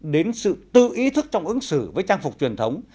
đến sự tư ý thức trong ứng xử với trang phục truyền thống